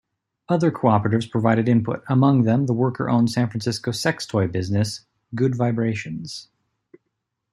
Other cooperatives provided input, among them the worker-owned San Francisco sex-toy business Good Vibrations.